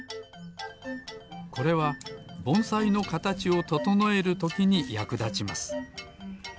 これはぼんさいのかたちをととのえるときにやくだちます。